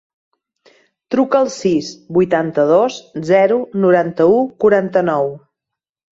Truca al sis, vuitanta-dos, zero, noranta-u, quaranta-nou.